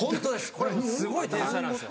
これすごい天才なんですよ。